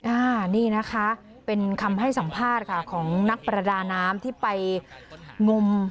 อ่านี่นะคะเป็นคำให้สัมภาษณ์ค่ะของนักประดาน้ำที่ไปงม